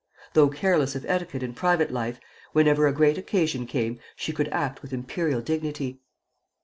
Though careless of etiquette in private life, whenever a great occasion came, she could act with imperial dignity.